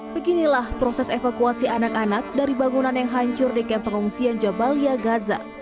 beginilah proses evakuasi anak anak dari bangunan yang hancur di kamp pengungsian jabalia gaza